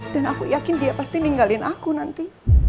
dan aku yakin dia pasti ninggalin aku nanti